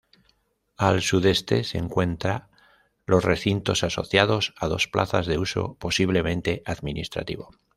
Al sudeste se encuentra los recintos asociados a dos plazas de uso posiblemente administrativo.